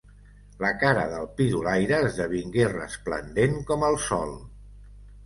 La cara del pidolaire esdevingué resplandent com el sol.